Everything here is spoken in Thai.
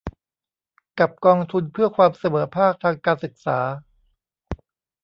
กับกองทุนเพื่อความเสมอภาคทางการศึกษา